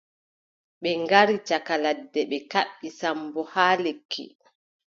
Ɓe ngari caka ladde ɓe kaɓɓi Sammbo haa lekki.